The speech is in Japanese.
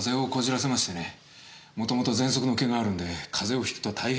もともとぜんそくの気があるんで風邪をひくと大変で。